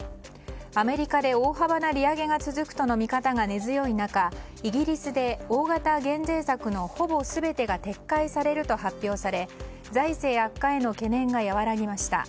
アメリカで大幅な利上げが続くとの見方が根強い中イギリスで大型減税策のほぼ全てが撤回されると発表され財政悪化への懸念が和らぎました。